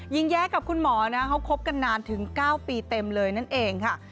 แย้กับคุณหมอนะเขาคบกันนานถึง๙ปีเต็มเลยนั่นเองค่ะ